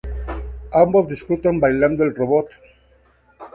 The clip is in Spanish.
Ambos disfrutan bailando "el robot".